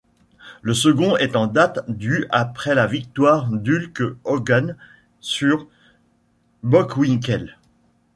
Le second est en date du après la victoire d'Hulk Hogan sur Bockwinkel.